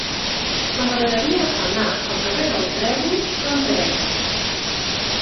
M'agradaria anar al carrer del Trèvol amb tren.